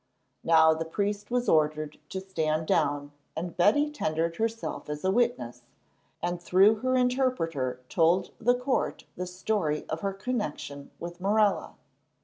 Now the priest was ordered to stand down, and Betty tendered herself as a witness, and through her interpreter told the court the story of her connection with Morella.